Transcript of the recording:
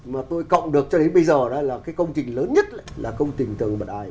mà tôi cộng được cho đến bây giờ đó là cái công trình lớn nhất là công trình tượng đài